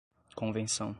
convenção